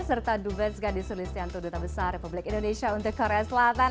serta dubes gadis sulistianto duta besar republik indonesia untuk korea selatan